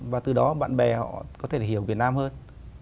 và từ đó bạn bè họ có thể hiểu việt nam hơn